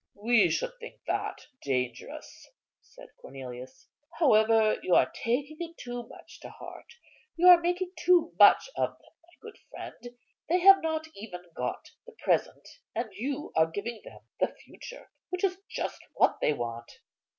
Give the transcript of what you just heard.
"We should think that dangerous," said Cornelius; "however, you are taking it too much to heart; you are making too much of them, my good friend. They have not even got the present, and you are giving them the future, which is just what they want."